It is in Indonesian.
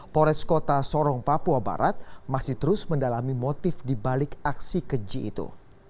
pores kota sorong papua barat masih terus mendalami motif dibalik aksi keji itu